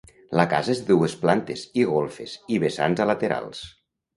La casa és de dues plantes i golfes i vessants a laterals.